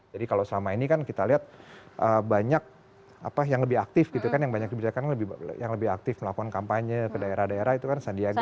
jadi kalau selama ini kan kita lihat banyak apa yang lebih aktif gitu kan yang banyak dibicarakan yang lebih aktif melakukan kampanye ke daerah daerah itu kan sandiaga